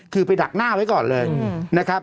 คือไปดักหน้าไว้ก่อนเลยนะครับ